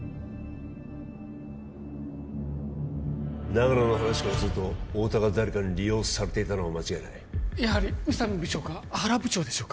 長野の話からすると太田が誰かに利用されていたのは間違いないやはり宇佐美部長か原部長でしょうか？